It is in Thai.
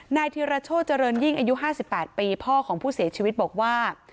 ธิรโชธเจริญยิ่งอายุ๕๘ปีพ่อของผู้เสียชีวิตบอกว่า